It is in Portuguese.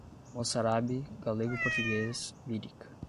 moçarábe, galego-português, lírica